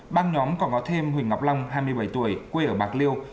băng nhóm còn có thêm huỳnh ngọc long hai mươi bảy tuổi quê ở bạc liêu